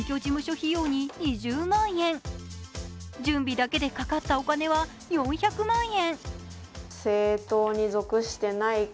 費用に２０万円、準備だけでかかったお金は４００万円。